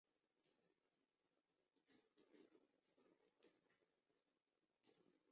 该医院转隶中央军委后勤保障部。